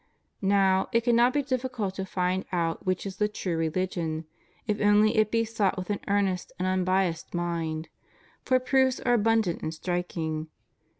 Now, it cannot be difficult to find out which is the true religion, if only it be sought with an earnest and imbiassed mind; for proofs are abimdant and striking.